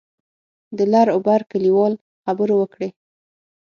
د لر او بر کلیوال خبرو وکړې.